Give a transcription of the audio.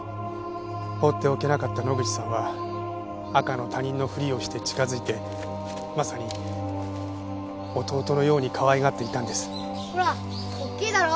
放っておけなかった野口さんは赤の他人のふりをして近づいてまさに弟のようにかわいがっていたんです。ほらおっきいだろ？